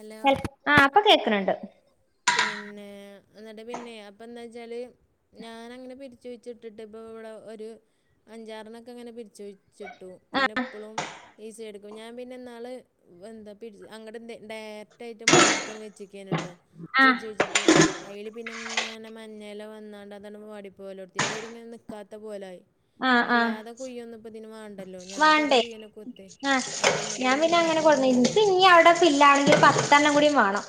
അല്ല ആഹ് ഇപ്പൊ കേക്കുന്നുണ്ട് പിന്നെ എന്നിട്ട് പിന്നെ അപ്പ എന്താ വച്ചാല് ഞാൻ അങ്ങനെ പിരിച്ചു വച്ച ഇട്ടിട്ട് ഇപ്പൊ ഇവിടെ ഒരു അഞ്ചാറിനൊക്കെ അങ്ങനെ പിരിച്ചു വിച്ചിട്ടു ആ പിന്നെ എപ്പോഴും ഈസി എടുക്കും ഞാൻ പിന്നെ എന്നാള് എന്താ പി അങ്ങ എ ഡയറക്ട് ആയിട്ട് മണ്ണക്കണ് വെച്ചക്കാണ് കേട്ടോ പിരിച്ച് വെച്ചിട്ട് അതിൽ പിന്നെ ഇങ്ങനെ മഞ്ഞയില വന്നാണ്ട് അതാണ് വാടി പോലെടുത്തി അതൊരിങ്ങനെ നിൽക്കാത്ത പോലായി ആ ആ അല്ലാതെ കൂയ്യ ഒന്നും ഇപ്പ ഇതിന് വേണ്ടല്ലോ ഞാൻ ചെറിയ വാണ്ടേ കുയ്യനെ കൊത്ത് ആ അപ്പൊ എന്നിട്ട ഞാൻ പിന്നെ അങ്ങനെ ഇ ഇനി അവിടെ ഫിൽ ആവണമേക്കി പത്തെണ്ണം കൂടി വേണം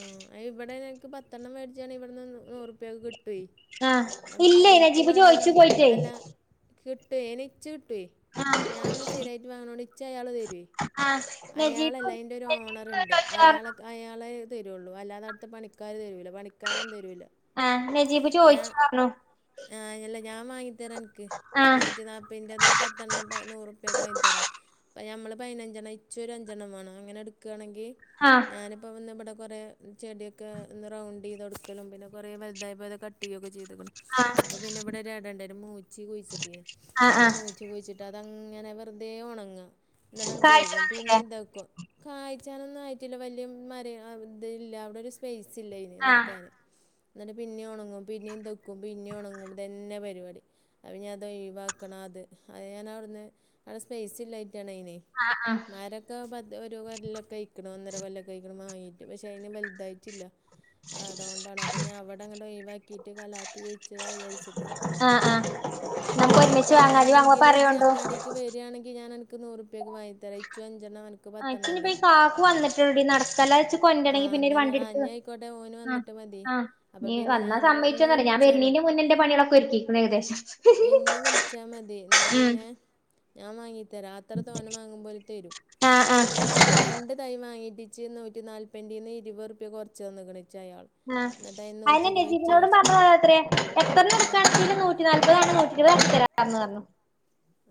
ആഹ് ഇവിടെ നിനക്ക് പത്തെണ്ണം മേടിച്ചാണ് ഇവിടെന്ന് നൂറ് പ്പിയെക്ക് കിട്ടൂവേ ആ നമുക്ക് ഇല്ലേ എനിക്കും നജീബ് ചോയിച്ചു വേണ്ടേനും പോയിട്ടേ അല്ല കിട്ടുവേ ഇനിച്ച് കിട്ടുവേ ആ ഞാൻ ഒന്ന് സ്ഥിരായിട്ട് വാങ്ങണോണ്ട് ഇച്ച അയാൾ തരുവേ ആ നജീബ് നജീബ് അയാളല്ല അയ്ന്റെ ഒരു ഓണർണ്ട് ചോയിച്ചു അയാള പറഞ്ഞു അയാളെ തരുള്ളൂ അല്ലാതെ അടുത്തെ പണിക്കാര് തരൂല പണിക്കാരൊന്നും തരൂല്ല ആ നജീബ് ചോദിച്ച്ണേലോ അല്ല ഞാൻ വാങ്ങി തരാ അൻക്ക് ആ നൂറ്റി നാല്പ്പ്പന്റെത് പത്തെണ്ണം നൂറുപ്യക്കെ വാങ്ങിത്തരാം പ്പം ഞമ്മള പതിനഞ്ചെണ്ണം ഇച്ച് ഒരു അഞ്ചെണ്ണംമാണം അങ്ങനെ എടുക്കാണെങ്കിൽ ആ ഞാനിപ്പ വ ഇവിടെ കുറെ ചെടി ഒക്കെ ഒ റൗണ്ട് ചെയ്ത കൊടുക്കലും പിന്നെ കുറെ വലുതായപ്പോ അ കട്ട ചെയുകയൊക്കെ ചെയ് ആ അപ്പൊ പിന്നെ ഇവിടെടണ്ടായും മൂച്ചി കുഴിച്ചിട്ടി ആ ആ മൂച്ചി കുഴിച്ചിട്ട് തങ്ങനെ വെറുതെ ഉണങ്ങ ന്നട്ടട് കായ്ച്ചു പോകും തന്നില്ലേ പിന്നെ ഇതാക്കും നൊന്നും ആയിട്ടില്ല വലിയ മ ഇത്‌ല്ല അവിടെ ഒരു സ്പേസ് ഇല്ല അയ്ന്‌ ആ നിക്കാന് എന്നിട്ട് പിന്നെയ ഉണങ്ങും പിന്നെയും തെയ്ക്കും പിന്നെ ഉണങ്ങും ഇതന്നെ പരിപാടി അ ഞ അത് ഒഴിവാക്കണം അത് അത് ഞൻ അവിടുന്ന് അവിടെ സ്പേസില്ല ണനയ് നി ആ ആ മരൊക്കെ പ ഒരു കൊല്ലൊക്കെയ്ക്ക്ണ് ഒന്നര കൊല്ലൊക്കെയ്ക്ക്ണ് മാങ്ങിട്ട്. പക്ഷെ അയ്ന് വലുതായിട്ടില്ല. അതോണ്ടാണ് അപ്പൊ ഞ് അവ്ടെ ങ്ങട്ട് ഒഴിവാക്കിട്ട് കലാത്തി കുഴിച്ച്ട വിചാര്ച്ച് ട്ടെ. ആ ആ അപ്പൊ നമുക്ക് ഇജ് അന്ക്ക് ഒരുമിച്ച് വാങ്ങാ ഇജ്ജ് വാങ്ങുമ്പോ വാണെങ്കില് ഇജ് പറയോണ്ടു അങ്ങാടീക്ക് വരാണെങ്കിൽ ഞാൻ അൻ. ക്ക് നൂറുപ്യക്ക് വാങ്ങിത്തര ഇച്ചും അൻ. ആ ച്ച്നിപ്പം ഈ കാക്കു വന്നിട്ടൊള്ളെടീ നടത്ത അല്ലാതെ ഇച്ച് ആ കൊണ്ടരണെങ്കി പിന്നൊരു എന്നാൽ ഞാൻ ആ വണ്ടിട്ത്ത്. ഇനി ആയിക്കോട്ടെ ഓന് ആ വന്നിട്ട് മതി ആ അപ്പം ഞ് പിന്നെ വന്ന ഞാൻ എന്നെ സമ്മയ്ച്ചോന്ന് അറീല. ഞാൻ വിളിച്ചാൽ വര്നയ്ന്റെ മതി മുന്നെ ന്റെ പണിയാളൊക്കെ ഒര്ക്കീ ക്കിണ് ഏകദേശം. ഇന്നെ വിളിച്ചാ മതി ന്നാ ഉം പിന്നെ. ഞാൻ വാങ്ങി തരാ അത്ര തോന വാങ്ങുമ്പോ ഓല് തരും. ആഹ ആഹ. വാങ്ങീട്ടിച്ച് നൂറ്റി നാൽപ്പെന്റീന്ന് ഇരുപർപ്യ കുറച്ചു തന്ന്ക്ക്ണ്. ആഹ് അയിനെ നജീബിനോടും മേടിച്ച് പറഞ്ഞീണോ നത്രെ ആ എത്രണ്ണക്കാണെങ്കിലും നൂറ്റി നാല്പത നൂറ്റി. ഴിവാക്കിത്തര ന്ന് പറഞ്ഞു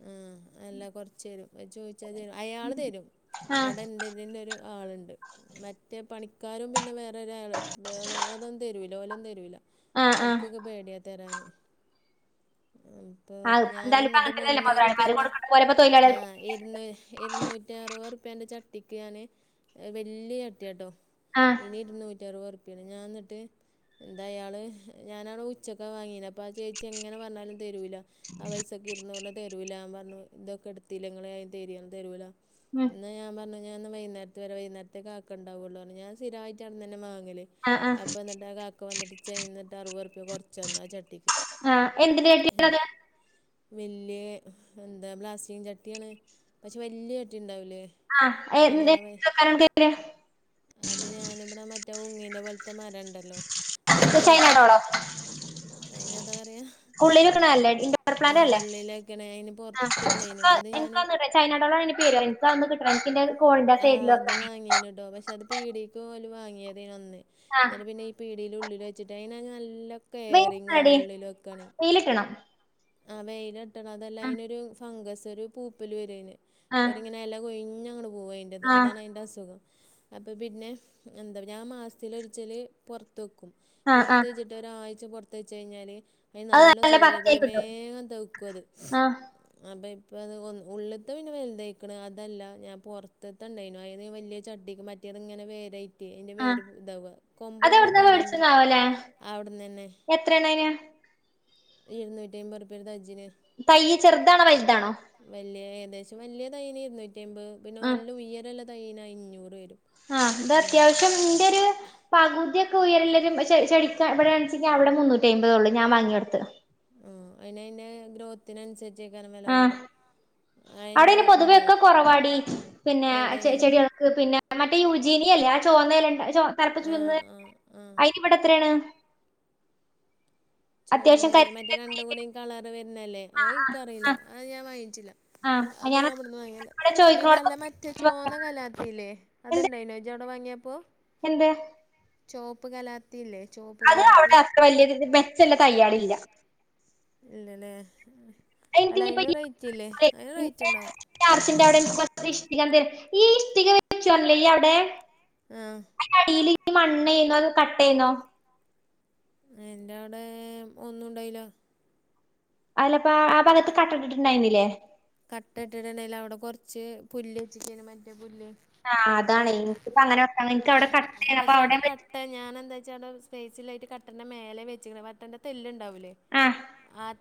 ഉം അല്ല കൊറ്‌ച്ചെരും അത് ചോയ്ച്ചാ തരും അയാള് തരും. ആ അവിടെ ഇന്റെതിനൊരു ആള്ണ്ട് മറ്റെ പണിക്കാരും പിന്നെ വേറൊരാള് അതൊന്നും തരുല്ല. ല്ല ഓലൊന്നും തരൂല ആ ആ ഓൽക്കൊക്കെ പേടിയാ തരാന്. അപ്പ ആ ഇപ്പൊ ഞാന എന്തായാലും ന്ന. ഇപ്പ അങ്ങനത്തന്നെയല്ലേ മുതലാളിമാര് മുന്നൂറുപ്യന്റെ കൊടുക്കണ പോലെ ഇപ്പൊ ആ തൊഴിലാളികൾക്ക് ഇര്ന്നു ഇരുന്നൂറ്റി അറുപർ പ്യന്റെ ചാ. ചട്ടിക്ക് ഞാന് വല്യ ചട്ട്യാട്ടോ ആ അയ്ന് ഇരുന്നൂറ്ററുപർ. പിന്നെ ഞാൻ ന്നിട്ട് ന്തയാൾ ഞാനവിടെ ഉച്ചക്ക വാങ്ങീനെ. അപ്പാ ചേച്ചി എങ്ങനെ പറഞ്ഞാലും തരൂല ആ പൈസക്ക് ഇരുന്നൂറിന് തരൂല പ. ഇതൊക്കെട്ത്തിലെ ങ്ങള് അയ്ത്തരി തരൂല ഉം ന്നാ ഞാൻ പറഞ്ഞെ ഞാ ന്ന് വൈന്നേരത്ത് വര വൈന്നേരത്തെക്കാക്കണ്ടാവുള്ളു പറഞ്ഞ് ഞാൻ സ്ഥിരായിട്ട് അവ്ട്ന്നെന്നെ മാ. ങ്ങൽ ആ ആ അപ്പം ന്നിട്ട് ആ കാക്ക വന്നിട്ട് ച്ച് അറുവർപ്യ കൊറ്ചന്നു ആ ചട്ടിക്ക്. [inaudible] വല്യേ എന്താ പ്ലാസ്റ്റിക് ചട്ടിയാണെ പക്ഷെ വല്യ ചട്ടി ഉണ്ടാവി ആഹ എ ന്ത [inaudible] അത് ഞാനിവിടെ മറ്റേ ഉങ്ങ്ന്റെ പോലത്തെ മരം ണ്ടല്ലോ അത്. ചൈന ഡോളോ അയിന് അതാ പറയാ.? ഉള്ളിൽ വെക്ക്ണെല്ലെ? ഇൻഡോർ പ്ലാന്റ് അല്ലെ? വെക്കണ അതിന് ആ പുറത്തുണ്ടായിനു അത് എനക്ക് ഞാൻ എനക്കൊന്ന് ട് ചൈന ടൗണ ൻ തെരോ ഇൻക്കതൊന്ന് കിട്ടണം. ഇൻക്കിന്റെ. ആ അത് വാങ്ങീണ് ട്ടൊ പക്ഷെ അത് പീടിക്ക് ഓല് വാങ്ങ്യേതെന്നു അന്ന്. ആഹ് ന്നട്ട് പിന്നെ ഈ പീടിൽ ഉള്ളിൽ വെച്ചിട്ട് അയ്നാണെ നല്ല കെയറിംഗ് വേണം വെയിലടി ഉള്ളില് വക്കാന്. വെയിലിട്ടണം ആ വെയില് തട്ടണം അതെല്ലാ അയ്നൊരു ഫംഗസ് ഒരു പൂപ്പൽ വരൊയ്ന് ആഹ് ഒര് ങ്ങനെ ഇല കൊയ്. ഞ് അങ്ങട് പോവയ്ന്റെ ത് ആഹ് ആഹ് അതാണ് അയ്ന്റെ അ സുഖം. അപ്പൊ പിന്നെ എന്താ ഞാൻ മാസത്തിൽ ഒര്ച്ചല് പുറത്ത്. ആഹ് പുറത്ത് ആഹ് വച്ചിട്ട് ഒരാഴ്ച പുറത്ത വച്ച് കഴിഞ്ഞാല് അയ്ന് അത് നല്ല സുര ബ പച്ചയായി ബേ. കിട്ടും വേഗം തെഅക്കത്. ആഹ് ഇപ്പ അത് ഉ ഉള്ള്ത്തെ ത് പിന്നെ വലുതേയ്ക്ക്ണ് അതല്ല ഞാൻ പുറത്ത്ത്ത ണ്ടയ്നു അയ്നെ വല്യ ചട്ടിക്ക് മറ്റെ. തങ്ങനെ വേരായ്റ്റെ അയ്ന്റെ ആഹ് വേര് ഇതാവ കൊമ്പ് നല്ല അതെവിടുന്നാ തടിണ്ട് മേടിച്ചതാവല്ലേ അവിട്ന്നെന്നെ എത്രയാണ് അതിന് ഇരുന്നൂറ്റി ആയിമ്പത്ർപ്യ ഒരു തജ്ജിന് തയ്യ് ചെർതാണോ വല്താണോ? അത്യാവശ്യം വല്യ തൈയ്ന് ഇരുന്നൂറ്റി അയ്മ്പെ പിന്നെ നല്ല ഉയരല്ല തൈയ്ന് അഞ്ഞൂറ് വരും. ആഹ ത് അയിന് അത്യാവശ്യം ഇന്റൊര് പകുതി. ക്ക് ഉയരള്ളത് ചെ ചെടിക്കാവിടെണെ ചെങ്കി അവ്ടെ മുന്നൂറ്റി അയ്മ്പതൊള്ളൂ ഞാൻ വാങ്ങ്യോട് ത്ത്. ഉം അയിന് അയ്ന്റെ ഗ്രോത്തിനനുസരിച്ചേക്കാരം വില കൂട അവിടെയ്ന് പൊതുവെ ഒക്കെ കുറവാടി പിന്നെ ചെ എവിടേണ് ചെടിയൾക്ക്. പിന്നെ മറ്റെ യുജിനിയ ല്ലെ ആ ചോന്നല ണ്ട ചോ തലപ്പ് ആ ചുവന്നെ ആ ആ അയ്ന് വ്ടെ എത്രെണ്? അത്യാവശ്യം ചോന്നലെ മറ്റേ കരുത്തില് രണ്ടും കൂടി കളർ വര്നല്ലെ ആ അത് ഇൻക്കറീല ആ അത് ഞാൻ വാങ്ങി. ച്ച് ല്ല ആ ആ അത് ഞാൻ ഞാൻവിടന്ന് വാങ്ങിയല്ല ഇവിടെ പിന്നെല്ല ചോദിക്കണോടത്ത് മറ്റേ ചോന്ന കലാത്തില്ലേ എന്ത് അത്ണ്ടായിനോജവിടെ വാങ്ങിയ എന്ത് ചുവപ്പ് കലാത്തിയില്ലേ ചോപ്പ് അത് അവിടെ കലാത്തി അത്ര വലിയ മെച്ചല്ല തയ്യലി ല്ല ഇല്ലലെ റേറ്റ് ഉണ്ടാവും അനിയിപ്പല്ലർച്ചിന്റെ അവിടെ ഇഷ്ടിക എ ത ഈ ഇഷ്ടിക വെച്ചുണല്ലേ അവിടെ ആഹ അതിന്റെ അടിയിൽ ഈ മണ്ണയന്നോ അ കട്ടയന്നോ എന്റെ അവിടെ ഒന്നും ഇണ്ടായില്ല അലപ്പ ആ ഭഗത്ത് കട്ടട്ടിട്ടുണ്ടായിരുന്നിലെ കട്ട ഇട്ടിടണെൽ അവിടെ കൊറച്ച് പുല്ല്ച്ചക്കന് മറ്റേ പുല്ല് ആഹ് അതാണ് എനിക്കിപ്പ അങ്ങനെ വെക്കണം എനിക്ക് അവിടെ കട്ടയാണ് അപ്പൊ പക്ഷെ അവിടെ കട്ട ഞാൻ എന്താച്ച അവിടെ സ്പേസിലായിട്ട് കട്ട പ മേലെ വെച്ച പറ്റന്റെ തെല്ണ്ടാവൂലേ ആഹ്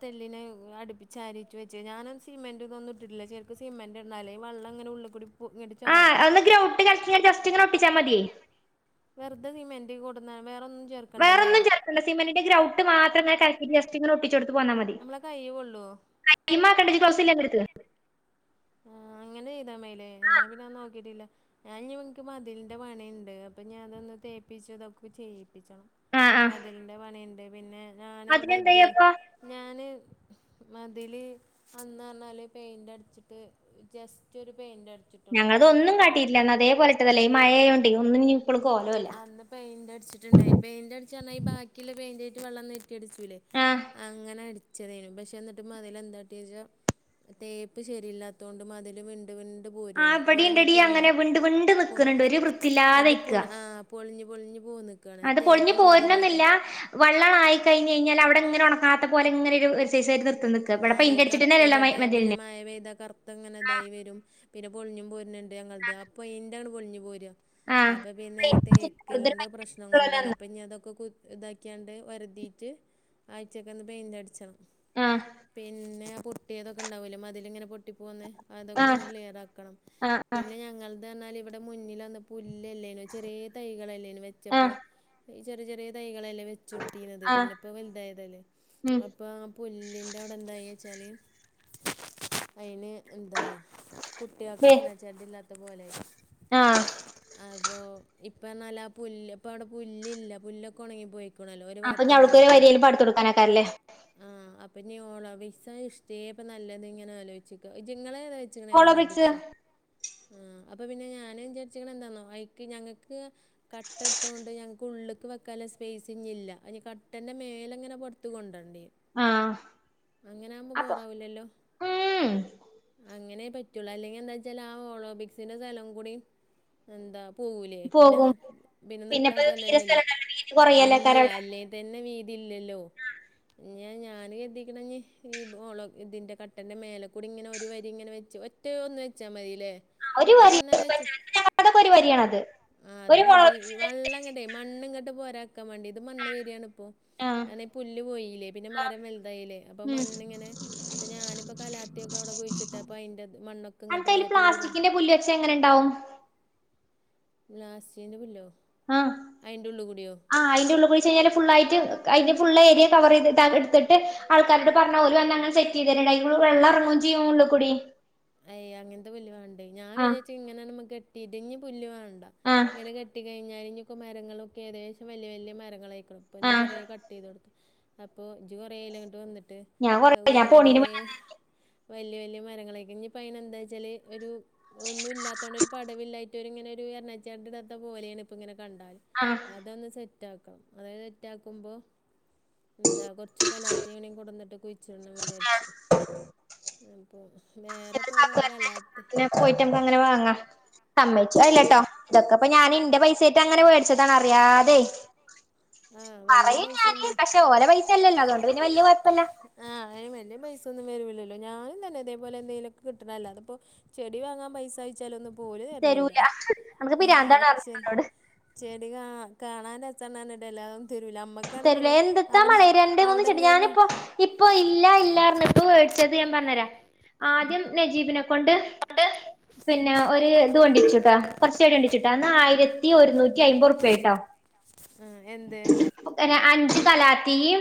തെല്ലിനെ അടുപ്പിച്ചച്ച് അരിട്ട വെച്ച ഞാനും സമന്റ് ന്നിട്ടില്ല ചേർക്ക് സിമെന്റ് ഇടാലെ വെള്ളംങ്ങനെ ഉള്ള കൂടി പോ- ഇങ്ങോട്ട് ആഹ് ചാടും അന്ന് ഗ്രൗട്ട് കള ജസ്റ്റ് ഇങ്ങനെ ഒട്ടിച്ചാ മതിയേ വെറുത സമെന്റി കൂടുന്ന വേറൊ വേറൊന്നും ചേർക്കണ്ട സിമന്റിന്റെ ഗ്രൗട്ട് മാത്രങ്ങനെ കലക്കി ജസ്റ്റ് ഇങ്ങനെ ഒട്ടി ച്ച്ടുത്ത് പോന്നാ മതി നമ്മളെ കൈ കൊള്ളുമോ കൈമാക്കണ്ട ക്ലോസ് ഇല്ലെ ആന്റടുത്തു ആഹ അങ്ങനെ ചെയ്താ മേലേ ഞാൻ പിന്നെന്നന്ന് നോക്കിട്ടില്ല ഞാക്ക് മതിലിന്റെ പണയുണ്ട് അപ്പൊ ഞാൻ പിച്ചോതക്ക ചെയ്യും ആഹ് ആഹ് മതിലിന്റെ പണിയുണ്ട് പിന്നെ ഞൻവിടെ അതിനെന്തായി ഇത് അപ്പൊ ഞാന് മതില് അന്ന് പറഞ്ഞാല് പെയിന്റ് അടിച്ചിട്ട് ജസ്റ്റ് ഒരു പെയിന്റ് അടിച്ചിട്ടുള്ളൂ ഞങ്ങളത വെള്ളം ഒന്നും കലക്കി കാട്ടിട്ടില്ല അതേപലത്തതല്ലേ ഈ മഴയൊണ്ട് ഒന്നും അന്ന് പെയിന്റ് അടിച്ചിട്ടുണ്ടയി പെയിന്റ്ടച്ച്ൽ ബാക്കിുള്ള പെയിന്റ് ആയിട്ട് വെള്ളം ല്ലേ ആഹ് അങ്ങനെ ചതേനി പക്ഷെ എന്നിട്ട് മതിൽ എന്താ കാട്ടിയെച്ചാൽ തേപ്പ് ശരിയില്ലാത്തത് കൊണ്ട് മതിൽ വിണ്ട് ആ പോരാണ് ഓരോങ്ങനെ ഇവിടീണ്ടടി പൊളിഞ്ഞ് അങ്ങനെ വിണ്ട് വിണ്ട് പൊ നിക്കനിണ്ട് ഒരു വൃത്തിയില്ലാതെ അത് നിക്ക പൊളി ആ പൊളിഞ്ഞ് പൊളിഞ്ഞ് പോന്ന്ക്കാണ് ആ അത് പൊളിഞ്ഞഞ് തേപ്പ് പോരണെന്നില്ല ശരില്ലായിട്ട് വള്ളളായി കഴിഞ്ഞ അവിടെ ഇങ്ങന ഉണക്കാത്ത പോലെനെ ഒരു നിക്ക ഇവിടെ ആയി പെയിന്റ് കറുത്തത് അടിച്ചിട്ടന്നെല്ലല്ലോ മ പിന്നെ മതിലിന് മഴ പെയ്താ കറുത്ത അങ്ങനെ ഇതായി വരും പിന്നെ പൊളിഞ്ഞും പോരണ്ട് അപ്പൊ എന്താണ് പൊളിഞ്ഞു പോര ആഹ് അപ്പൊ പിന്നെ ഈ ആഹ് തേക്കലിന്റെ പ്രശ്നം കൊണ്ടാണ് അപ്പൊ ഇഞ് അതൊക്കെ ഇതാക്കിയാണ്ട് ഒരാതിയിട്ട് അഴിച്ചെങ്ങൊന്നു പെയിൻ്റ് അടിച്ചണം ആഹ പിന്നെ ആ പൊട്ടിയതൊക്കെ ഉണ്ടാവൂലും മതിലിങ്ങനെ പോന്ന് ആഹ് അതൊക്കെ ഒന്ന് ക്ലിയർ ആക്കണം ആഹ് പിന്നെ ഞങ്ങൾ എന്ത പറാൽ ഇവിടെ മുന്നിൽ വന്ന പുല്ല്ലേനും ചെറിയ തൈകളല്ലേനും വെച്ചപ്പോ ആഹ് ഈ ചെറിയ ചെറിയതയി ല്ല വെച്ച കൊടുത്തിന്നത് ആഹ് ആഹ് പിന്നപ്പം വലുതായ തല്ലേ ഉം അപ്പൊ പുല്ല് അയച്ചാലി അയിന എന്താ കുട്ടികൊക്കെ വേ എണാ ചെട്ട ഇല്ലാത്ത പോലെ ആഹ് അപ്പോ ഇപ്പൊ നല്ല പുല്ല് ഇപ്പ അവിടെ പുല്ലില്ല പുലൊക്കെ ഉണങ്ങി പോയി അപ്പൊ [unintelligible] വരില പടുത്ത് കൊടുക്കാനക്കാറല്ലേ ആഹ അപ്പൊഞ് ഇനി ഓളോബ്രിക്‌സ് ഇഷ്ടികേ നല്ലത് ഇങ്ങനെ ആലോചിക്ക നിങ്ങളെ എത വെച്ചിക്കണേ ഹോളോ ഓളോബ്രിക് ബ്രിക്സ് സോ ആ അപ്പൊ പിന്നെ ഞാന് വിചാരിച്ചിക്കണ എന്താന്നോ അഐക്ക് ഞങ്ങക്ക് കട്ട ഇട്ട കൊണ്ട് ഞങ്ങക്ക് ഉ ഉള്ളക്ക് വെക്കൻ സ്പേസ് ഇില്ല അ കട്ടന്റെ മേലെങ്ങെ പുറത്ത കൊണ്ടോണ്ണ്ടി ആ അങ്ങനെകുമ്പോ ബോ റാവൂല്ലല്ലോ ഉം അങ്ങനെ പറ്റുള്ളു അല്ലെങ്കിൽ എന്താച്ചാൽ ആ ഒളിമ്പിക്സിന്റെ സ്ഥലം കൂടി എന്താ പോവൂല്ലേ പിന്നെ പോകും പിന്നെ നിക്കാൻ പിന്നെപ്പോ തീരെ സ്ഥലല്ലല്ലോ സ്ഥലണ്ടാവില്ല വീതി ഇല്ല കൊറയല്ലേക്കാരം അല്ലേ തന്നെ വീതി ഇല്ലല്ലോ ഞ ഞാന് ക്കണി ഈ ഓളം ഇതിൻ്റെ കട്ടൻ്റെ മേലെക്കൂടി ഇങ്ങനെ ഒരു വരി ഇങ്ങനെ വെച്ച് ഒറ്റ ഒന്ന് വെച്ചാ മതില്ലേ അവിടെ ഒരു വരി മറ്റേനാല്ലേച് അതൊക്കെ ഒരു വരിയാണത് ആ അത് ഒരു ഹോളോ മതി ബ്രിക്സിന്റെ വെള്ളങ്ങട്ടെ മണ്ണിങ്ങട്ട് പോരാ ക്കാൻ വേണ്ടി ഇത് മണ്ണ് വര്യാണ്പ്പോ ആഹ് കാരണം ഈ പുല് പോയില്ലേ പിന്നെ ആഹ് മരം വലതായില്ലേ ഉം മണ്ണിങ്ങനെ ഇപ്പൊ ഞാനിപ്പ കലാത്തിക്കെ അവിടെ കുഴിച്ചിട്ട അപ്പൊ അയിന്റെ മണ്ണൊക്കെ ഇങ്ങോട്ട് വരെ തീ ഡൗ [unintelligible] ലാസ്യന്റെ പുല്ലോ അയിന്റെള്ക്കുടിയോ ഫ്യള്ളായിട്ട് [unintelligible] കവർ ചെയ് എടുത്തിട്ട് ആൾക്കാരോട് പറഞ്ഞ പ സെറ്റ് ചെയ്ത ഐക്കൂ വെള്ളം ഇറങ്ങും ചെയിം ഉള്ളു കുടി അയയ് അങ്ങനത്തെ പുല്ല് വേണ്ടേ ഞാൻ വിചാച്ച ഇങ്ങനമ്മ കെട്ടിട്ട ഞ് പുല്ല് വേണ്ടാ ആഹ് നെണ്ട ഇനിതാ കെട്ടികഴിഞ്ഞാൽഇനീപ്പം മരങ്ങളൊക്കെ ഏകശം വല്ല്യ വല്ല്യ മരങ്ങളെ അപ്പം ഇന്ന് ആഹ് കൊറേ കട്ട് ചെയ്ത് കൊടുത്തു അപ്പൊ ഇജ് കൊറെയിലങ്ങ് വന്നിട്ട് ഞാൻ കൊറേ ര വ ഞാൻ മ പോണീന് മുന്നേ [unintelligible] വല്ല്യ വല്ല്യ മറങ്ങളായിരിക്കും ഇനി ഇ അനെ എന്താ വെച്ചാല് ഒരു ഒന്നും ഇാത്ത കൊൊ പടവില്ലായിട്ട്വ ഇങ്ങനെ ഒരു എറണാചാറി ഇടാത്ത പോലെയാണ് ഇപ്പ ഇങ്ങനെ [unintelligible] കണ്ടാലു ആഹ് അതൊന്ന് സെറ്റക്ക അതായത് സെറ്റക്കുമ്പോൾ എന്താ കൊറച്ചു കലാത്തി കൊടന്നിട്ട് കുഴിച്ചിടണം വിചാരിച്ച് അപ്പൊ വേറെ ഇപ്പോ കലാ അങ്ങനെ പോയിട്ട് അങ്ങനെ വാങ്ങ ആഹ് സമ്മച്ചുല്ലട്ടോ ഇല്ലട്ടോ ഇതൊക്കെ അപ്പൊ ഞാനിന്റെ പൈ സെറ്റ് അങ്ങനെ മേടിച്ചതാണ അറിയാതെ ഉ [inaudible] പറയും ഞാന് പക്ഷെ ഓല പൈസയല്ലല്ലോ അതൊണ്ട് ന്നെ വല്ല്യ കൊഴപ്പല്ല്യ ആ അയിന് വല്ല്യ പൈസൊന്നും വരൂല്ലല്ലോ ഞാനും തന്നെ അതേപോെ എന്തെങ്കലൊക്കെ കിട്ടണല്ലേ അപ്പോ ചെടി വാങ്ങാൻ പൈസയച്ചാലൊന്നു പോലു തരല്ലില്ല്യ തരൂല അനക്ക് ഹ പിരാന്താണ് ചെ പറഞ്ഞ് എന്നോട് ചെടി കാണാ [unintelligible] തരൂല്ല എദ്ത്താ മഴ രണ്ട മൂന്ന് അവിടെ ചെട്ടി ഇങ്ങനെ ഞാനിപ്പോ നോക്കി ഇപ്പൊ ഇല്ല ഇല്ലാരഞ്ഞ ഇപ്പ മേടിച്ച ത് പറഞ്ഞരാ ആദ്യം നജീബിനെ കൊണ്ട് പിന്നെ ഒരു ഇത് വണ്ടിച്ചുട്ടാ കുറച്ചടി കൊ ന്ന ആയിരത്തി ഒരുന്നൂറ്റി അയിബോർപ്യ ട്ടോ എന്ത് അഞ്ച് കലാത്തിയി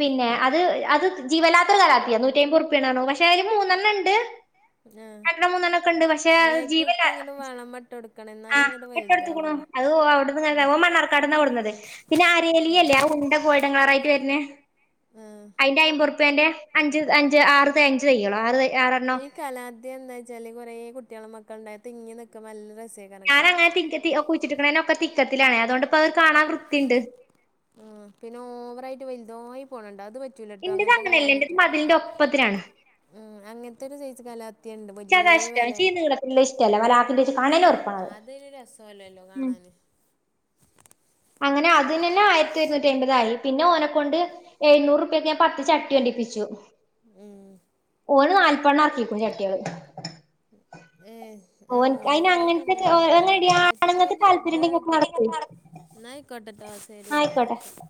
പിന്നെ അത് അത് ജീവലാത്ര കലത്തിയ നൂറ്റിഅയിബത് ഉറപ്പ്യണ് പക്ഷെ അതില് മൂന്നെണ്ണണ്ട് രണ്ടെണ്ണം മൂന്നെണ്ണൊക്കെണ്ട് പക്ഷെ ആ ജീവല്ല അയിക്കക്കൊ ഇങ്ങട്ട് വള മട്ട എടുക്കണം എന്നാലും അങ്ങോട്ട് വലുതാവു അത്ഓ അവിടു നിങ്ങ മണ്ണാർക്കാട്ന്നാ കൊടുന്നത് പിന്നെ അരേലി ഉം അല്ലേ ആ ഉണ്ട കോടങ്ങളാറയിട്ട് [unintelligible] ആഹ് അയിന്റെ അയിബോർപ്പ്യന്റെ അഞ്ച് അഞ്ച് ആറ് ത്തെ അഞ്ചു തൈ കളോ ആറു ഈ കലാത്യ എന്താ വെച്ചാല് കൊറെേ കുട്ടികളും മക്കളുണ്ടായ തിങ്ങിനിക്കും നല്ല റസ് ഞാനാങ്ങനെ തിക്ക ത്തി കുഴിച്ചിട്ടിക്കുന്നൊക്കെ തിക്കത്തിലാണ് അതുണ്ട് പ്പം ഒരു കാണാൻ വൃത്തിണ്ട് ഉ പിന്നെ ഓവറായിട്ട് വലുതായി പോണണ്ട അത് പ റ്റു ഇന്റത് ങ്ങത്തെ കലയ അങ്ങനെയല്ല പറ്റ ഇന്റത് മതിലിന്റെ ഒപ്പത്തിനാണ്. ഉ അങ്ങനത്തെ ഒരു ചേ കല [unintelligible] താ ഇഷ്ട ചീളത്തി ഇഷ്ടല്ല വല [unintelligible] അതൊരു രസല്ലോല്ലോ ഉം കാണാന് അങ്ങനെ അത് നെനെ ആയിരത്തിരു ന്നൂറ്റി അയിബതായി പിന്നെ ഓനെ കൊണ്ട് എഴുന്നൂറ്പ്പ്യക്ക് പത്തു ചട്ടി കൊണ്ടി പ്പിച്ചു ഉം ഓ നാല്പ്പണ്ണ ഇറക്കി ഇപ്പും ചട്ടികള് ഉം ഏ ആഹ് ഓന് അയിന് കൊറേ അങ്ങനത്തെ തണ്ണ ഉണ്ടാക്കിങ്ങനെ അങ്ങനെടി അവിടൊക്കെ വെച്ചു ഓ ആണുങ്ങക്ക് ഇന്ത താല്പര്യണ്ടെങ്കി ഒക്കെ നടക്കുവേ നായക്കോട്ടട്ടാ ശരി എന്ന ആയിക്കോട്ടെ. വക്ക